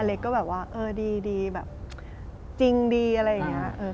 เล็กก็แบบว่าเออดีแบบจริงดีอะไรอย่างนี้